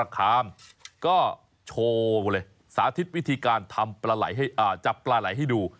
ก็โชว์เลยสาธิตวิธีการจับปลาไหล่ให้ดู